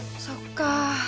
そっか。